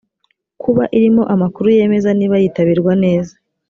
kuba irimo amakuru yemeza niba yitabirwa neza